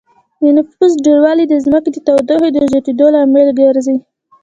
د نفوس ډېروالی د ځمکې د تودوخې د زياتېدو لامل ګرځي